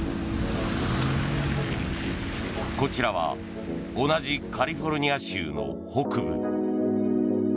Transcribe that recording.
こちらは同じカリフォルニア州の北部。